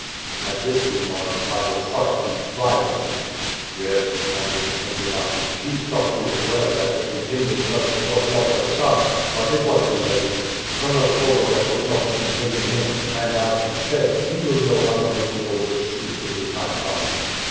At this remark Michael's heart beat violently. "Yes," answered the pendja baschi. "She stuck to it well that the pretended merchant was not her son, but it was too late. Colonel Ogareff was not to be taken in; and, as he said, he will know how to make the old witch speak when the time comes."